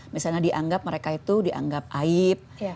misalnya dianggap mereka itu dianggap aib